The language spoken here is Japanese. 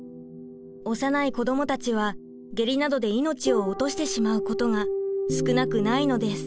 幼い子どもたちは下痢などで命を落としてしまうことが少なくないのです。